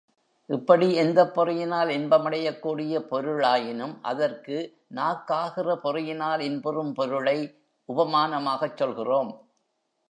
இப்படி, எந்தப் பொறியினால் இன்பம் அடையக் கூடிய பொருளாயினும் அதற்கு நாக்காகிற பொறியினால் இன்புறும் பொருளை உபமானமாகச் சொல்கிறோம்.